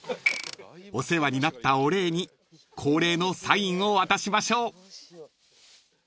［お世話になったお礼に恒例のサインを渡しましょう］